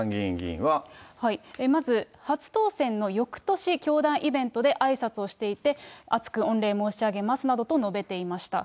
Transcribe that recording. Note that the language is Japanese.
まず、初当選のよくとし、教団イベントであいさつをしていて、厚く御礼申し上げますなどと述べていました。